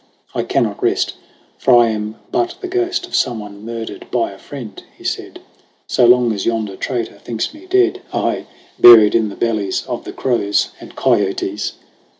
"I can not rest; for I am but the ghost Of someone murdered by a friend," he said, "So long as yonder traitor thinks me dead, Aye, buried in the bellies of the crows Andkiotes!"